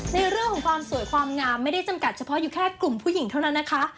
ในเรื่องของความสวยความงามไม่ได้จำกัดเฉพาะอยู่แค่กลุ่มผู้หญิงเท่านั้นนะคะ